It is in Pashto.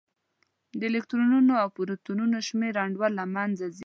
د الکترونونو او پروتونونو شمېر انډول له منځه ځي.